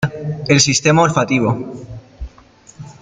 El Sistema Olfativo.